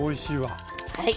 はい。